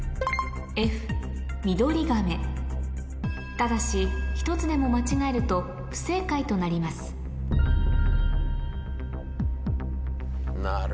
ただし１つでも間違えると不正解となりますなる